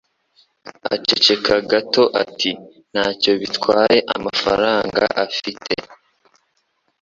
Aceceka gato ati: "Ntacyo bitwaye amafaranga afite."